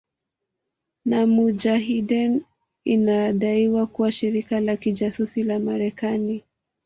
na mujahideen inadaiwa kuwa shirika la kijasusi la Marekani